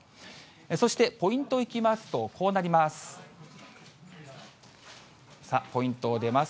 そしてポイントいきますと、こうなります。